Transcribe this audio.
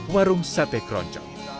warung sate keroncong